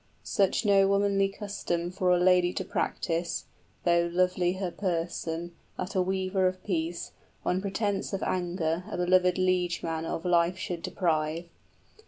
Such no womanly custom For a lady to practise, though lovely her person, That a weaver of peace, on pretence of anger A belovèd liegeman of life should deprive.